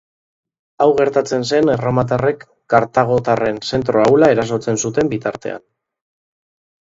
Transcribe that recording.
Hau gertatzen zen erromatarrek kartagotarren zentro ahula erasotzen zuten bitartean.